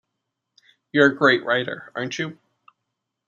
You're a great writer, aren't you?